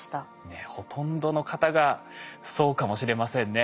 ねっほとんどの方がそうかもしれませんね。